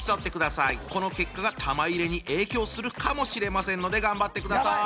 この結果が玉入れに影響するかもしれませんので頑張ってください。